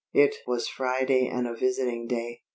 It was Friday and a visiting day.